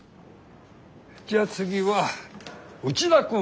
じゃあ次は内田君。